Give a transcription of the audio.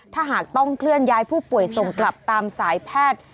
ถ้าหากต้องเคลื่อนย้ายผู้ป่วยส่งกลับตามสายแพทย์